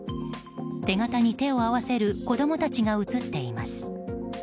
手形に手を合わせる子供たちが写っています。